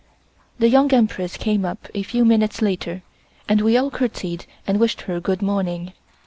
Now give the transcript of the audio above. The Young Empress came up a few minutes later and we all courtesied and wished her "good morning."